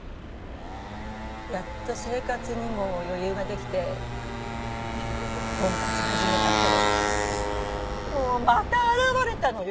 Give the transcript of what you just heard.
やっと生活にも余裕が出来て婚活始めた頃もうまた現れたのよ。